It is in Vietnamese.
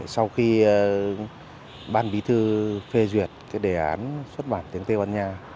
sau khi ban bí thư phê duyệt cái đề án xuất bản tiếng tây ban nha